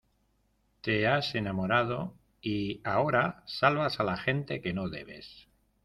te has enamorado y, ahora , salvas a la gente que no debes.